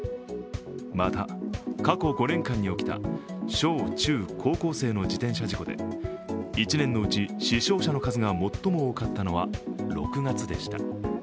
また、過去５年間に起きた小・中・高校生の自転車事故で１年のうち死傷者の数が最も多かったのは６月でした。